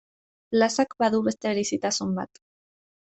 Plazak badu beste berezitasun bat.